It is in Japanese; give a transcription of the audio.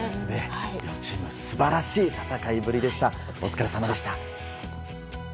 両チーム素晴らしい戦いぶりでした。